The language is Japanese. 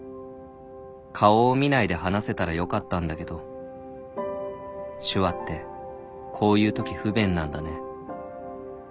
「顔を見ないで話せたらよかったんだけど手話ってこういうとき不便なんだね」